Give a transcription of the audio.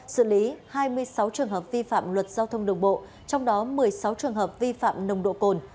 xử lý hai mươi sáu trường hợp vi phạm luật giao thông đường bộ trong đó một mươi sáu trường hợp vi phạm nồng độ cồn